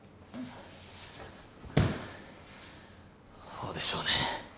ほうでしょうね